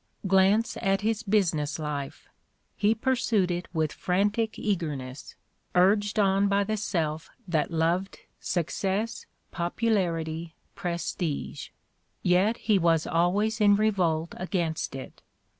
Glance at his business life. He pursued it with frantic eagerness, urged on by the self that loved suc cess, popularity, prestige. Yet he was always in revolt against it.